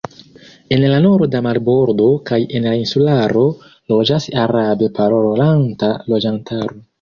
En la norda marbordo kaj en la insularo loĝas arabe parolanta loĝantaro.